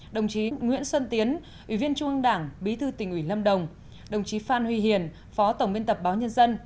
đồng chí nguyễn xuân tiến ủy viên trung ương đảng bí thư tỉnh ủy lâm đồng đồng chí phan huy hiền phó tổng biên tập báo nhân dân